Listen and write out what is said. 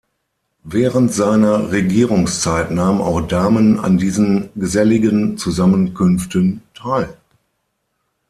Während seiner Regierungszeit nahmen auch Damen an diesen geselligen Zusammenkünften teil.